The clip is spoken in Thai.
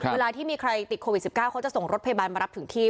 เวลาที่มีใครติดโควิด๑๙เขาจะส่งรถพยาบาลมารับถึงที่